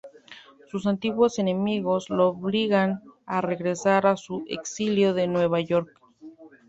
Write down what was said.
Sus antiguos enemigos, lo obligan a regresar a su exilio en Nueva York.